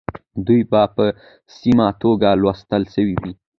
دوی به په سمه توګه لوستل سوي وي.